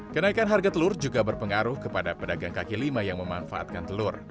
kenaikan harga telur juga berpengaruh kepada pedagang kaki lima yang memanfaatkan telur